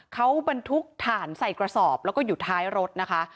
เขาบรรทุกถ่านใส่กระสอบแล้วก็อยู่ท้ายรถนะคะ